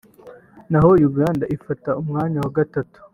naho Uganda ifata umwanya wa gatatu